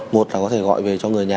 một là có thể gọi về